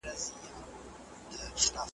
تاسو بايد د هر ليکوال د قلم درناوی وکړئ.